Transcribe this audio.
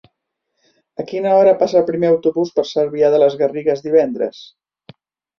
A quina hora passa el primer autobús per Cervià de les Garrigues divendres?